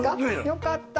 よかった。